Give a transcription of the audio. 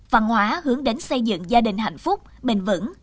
văn hóa hướng đến xây dựng gia đình hạnh phúc bình vẩn